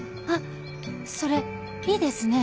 それいいですね。